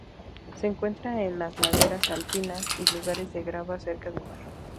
Se encuentra en las laderas alpinas y lugares de grava cerca del mar.